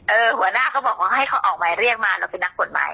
หัวหน้าเขาบอกว่าให้เขาออกหมายเรียกมาเราเป็นนักกฎหมาย